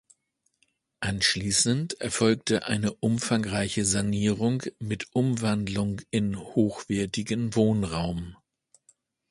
Anschließend erfolgte eine umfangreiche Sanierung mit Umwandlung in hochwertigen Wohnraum.